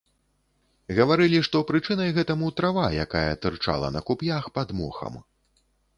Гаварылі, што прычынай гэтаму трава, якая тырчала на куп'ях пад мохам.